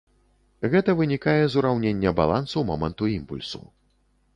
Гэта вынікае з ураўнення балансу моманту імпульсу.